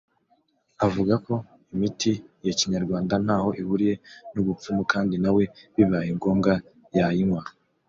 Avuga ko imiti ya Kinyarwanda ntaho ihuriye n’ubupfumu kandi na we bibaye ngombwa yayinywa